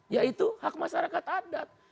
yaitu hak masyarakat adat